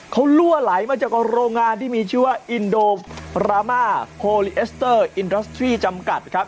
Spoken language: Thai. เขาลั่วไหลมาจากโรงงานที่มีชื่อว่าอินโดรามาโคลิเอสเตอร์อินดอสตรีจำกัดครับ